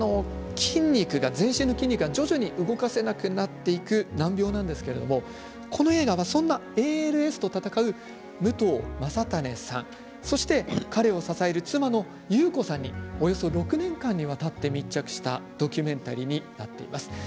全身の筋肉が徐々に動かせなくなっていく難病なんですけれどもこの映画は、そんなＡＬＳと闘う武藤将胤さんそして彼を支える妻の木綿子さんにおよそ６年間にわたって密着したドキュメンタリーになっています。